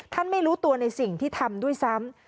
ไม่รู้ตัวในสิ่งที่ทำด้วยซ้ำ